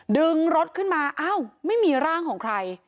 ดึงรถขึ้นมาอ้าวไม่มีร่างของใคร